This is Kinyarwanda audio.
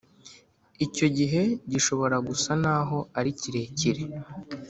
Icyo gihe gishobora gusa n aho ari kirekire